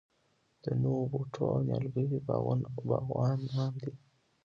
د نوو بوټو او نیالګیو باغوانان دي.